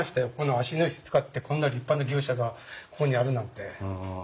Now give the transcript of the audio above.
芦野石使ってこんな立派な牛舎がここにあるなんて。